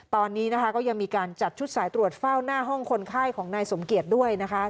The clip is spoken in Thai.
ตอนนี้นะคะก็ยังมีการจัดชุดสายตรวจเฝ้าหน้าห้องคนไข้ของนายสมเกียจด้วยนะคะ